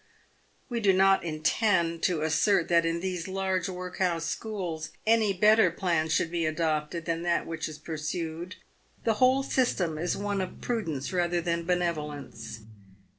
We do not intend to assert that in these large workhouse schools any better plan should be adopted than that which is pursued. The whole system is one of prudence rather than benevolence.